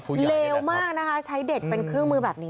เลวมากนะคะใช้เด็กเป็นเครื่องมือแบบนี้